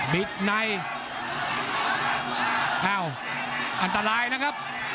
บิ๊กในอันตรายนะครับ